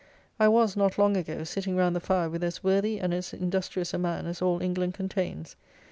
I was, not long ago, sitting round the fire with as worthy and as industrious a man as all England contains.